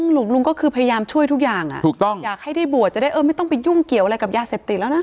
หลวงลุงก็คือพยายามช่วยทุกอย่างถูกต้องอยากให้ได้บวชจะได้เออไม่ต้องไปยุ่งเกี่ยวอะไรกับยาเสพติดแล้วนะ